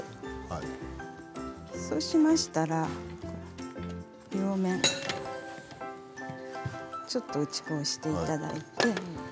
そうしましたら両面、ちょっと打ち粉をしていただいて。